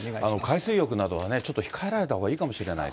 海水浴などはちょっと控えられたほうがいいかもしれないです